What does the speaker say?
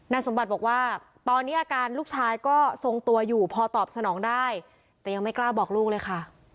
สมบัติบอกว่าตอนนี้อาการลูกชายก็ทรงตัวอยู่พอตอบสนองได้แต่ยังไม่กล้าบอกลูกเลยค่ะ